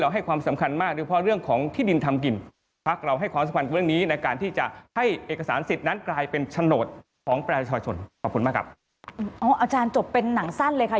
ให้เอกสารศิษย์นั้นกลายเป็นฉนดของประเทศชนขอบคุณมากครับอ๋ออาจารย์จบเป็นหนังสั้นเลยค่ะ